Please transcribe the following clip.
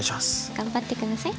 頑張って下さい。